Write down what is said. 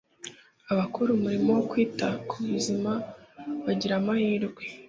abakora umurimo wo kwita ku buzima bagira amahirwe